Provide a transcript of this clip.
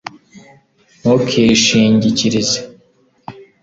ntukishingikirize